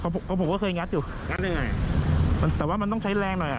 ตัวผมเขายัดอยู่งัดได้ไงมันเนื้อแต่ว่ามันต้องใช้แรงหน่อยอ่ะ